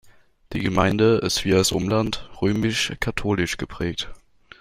Die Gemeinde ist wie das Umland römisch-katholisch geprägt.